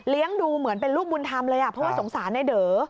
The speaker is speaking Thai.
ดูเหมือนเป็นลูกบุญธรรมเลยเพราะว่าสงสารในเด๋อ